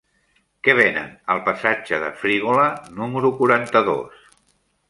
Què venen al passatge de Frígola número quaranta-dos?